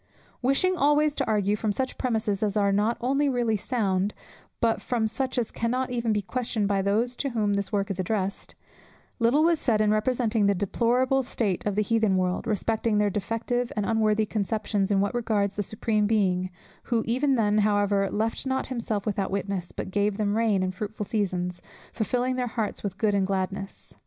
Wishing always to argue from such premises as are not only really sound, but from such as cannot even be questioned by those to whom this work is addressed, little was said in representing the deplorable state of the Heathen world, respecting their defective and unworthy conceptions in what regards the Supreme Being, who even then however "left not himself without witness, but gave them rain and fruitful seasons, filling their hearts with food and gladness."